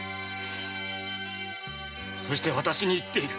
そして私に言っている。